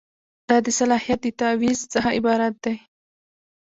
دا د صلاحیت د تعویض څخه عبارت دی.